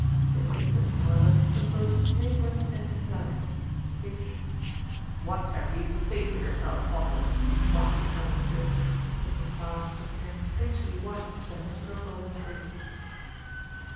This incident, however, was both flagrant and indelicate. It "What have you to say for yourself, Postle ?" barked the Colonel fiercely, his moustache appearing strangely white against the purple of his face.